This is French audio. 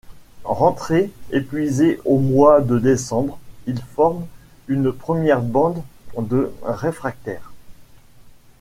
Rentré épuisé au mois de décembre, il forme une première bande de réfractaires.